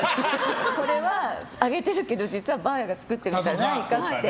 これはあげてるけど実は、ばあやが作ったんじゃないかって。